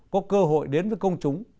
có cơ hội đến với công chúng